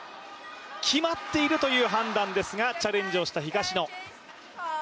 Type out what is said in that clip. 決まっているという判断ですがチャレンジをした東野。